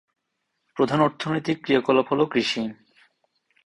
প্রধান অর্থনৈতিক ক্রিয়াকলাপ হল কৃষি।